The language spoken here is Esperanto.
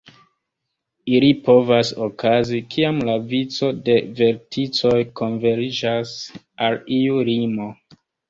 Ili povas okazi, kiam la vico de verticoj konverĝas al iu limo.